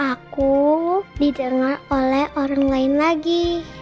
aku didengar oleh orang lain lagi